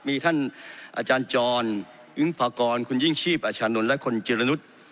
มีท่านอาจารย์จรอึ้งพากรคุณยิ่งชีพอาชานนท์และคุณจิรนุษย์